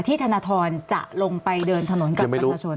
ธนทรจะลงไปเดินถนนกับประชาชน